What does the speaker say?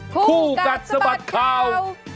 คู่กัดสะบัดข่าว